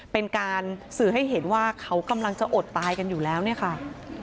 เป็นการสื่อให้เห็นว่าเขากำลังจะอดตายกันอยู่แล้วเนี่ยค่ะ